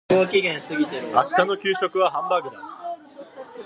明日の給食はハンバーグだ。